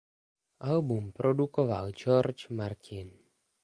Album produkoval George Martin.